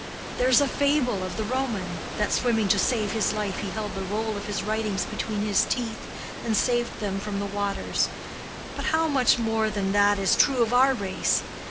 There is a fable of the Roman, that swimming to save his life he held the roll of his writings between his teeth and saved them from the waters. But how much more than that is true of our race?